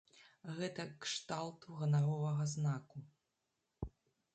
Гэта кшталту ганаровага знаку.